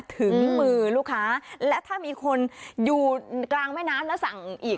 ถึงมือลูกค้าและถ้ามีคนอยู่กลางแม่น้ำแล้วสั่งอีก